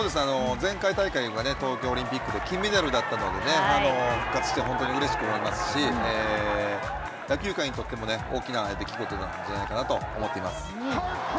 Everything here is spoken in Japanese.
前回大会は、東京オリンピックで、金メダルだったので、復活して、本当にうれしく思いますし、野球界にとっても、大きな出来事なんじゃないかなと思っています。